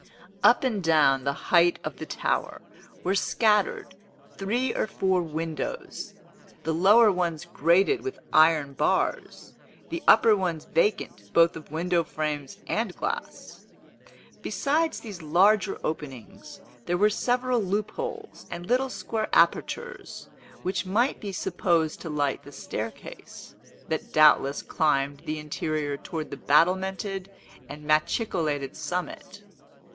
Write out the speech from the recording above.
Up and down the height of the tower were scattered three or four windows, the lower ones grated with iron bars, the upper ones vacant both of window frames and glass. Besides these larger openings, there were several loopholes and little square apertures, which might be supposed to light the staircase, that doubtless climbed the interior towards the battlemented and machicolated summit.